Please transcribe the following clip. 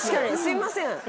すいません。